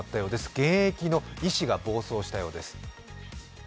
現役の医師が暴走したようです。